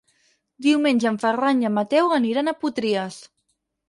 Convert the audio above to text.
Diumenge en Ferran i en Mateu aniran a Potries.